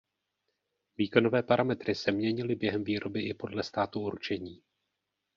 Výkonové parametry se měnily během výroby i podle státu určení.